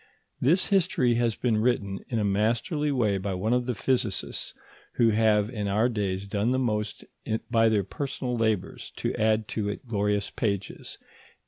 This history has been written in a masterly way by one of the physicists who have in our days done the most by their personal labours to add to it glorious pages.